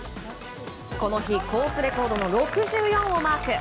この日、コースレコードの６４をマーク。